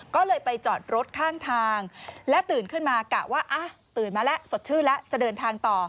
ก็เลยไปจอดรถข้างทางและตื่นขึ้นมากะว่าตื่นมาแล้วสดชื่นแล้วจะเดินทางต่อ